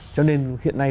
cho nên hiện nay